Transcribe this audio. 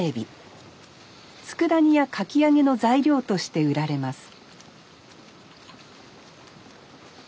つくだ煮やかき揚げの材料として売られます